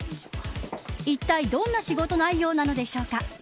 いったいどんな仕事内容なんでしょうか。